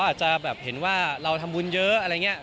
อาจจะแบบเห็นว่าเราทำบุญเยอะอะไรอย่างนี้